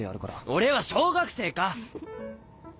俺は小学生か！